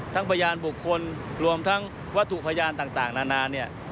ทั้งพยานบุคคลรวมทั้งวัตถุพยานต่างนานา